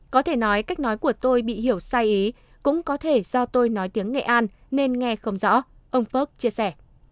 có thể nói cách nói của tôi bị hiểu sai ý cũng có thể do tôi nói tiếng nghệ an nên nghe không rõ ông phớp chia sẻ